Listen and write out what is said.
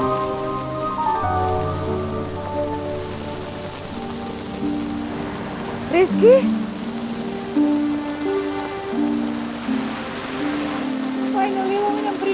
akhirnya kamu nyamperin gue di sini